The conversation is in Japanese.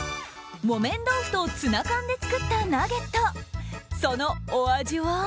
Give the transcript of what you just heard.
木綿豆腐とツナ缶で作ったナゲット。